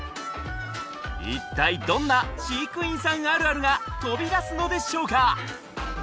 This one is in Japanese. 一体どんな飼育員さんあるあるが飛び出すのでしょうか？